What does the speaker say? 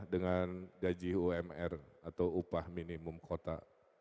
dengan gaji umr atau upah minimum kota